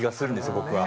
僕は。